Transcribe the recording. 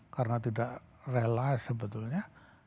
karena tidak rela sebetulnya